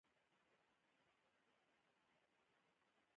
خدای ته به دوعا وکړئ چې مه شرموه.